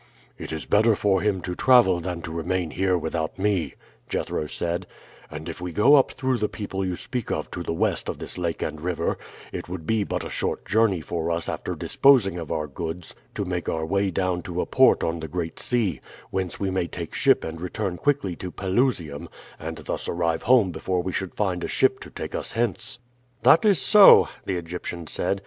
"It is better for him to travel than to remain here without me," Jethro said; "and if we go up through the people you speak of to the west of this lake and river, it would be but a short journey for us after disposing of our goods to make our way down to a port on the Great Sea, whence we may take ship and return quickly to Pelusium, and thus arrive home before we should find a ship to take us hence." "That is so," the Egyptian said.